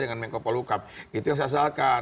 dengan menko polhukam itu yang saya sesalkan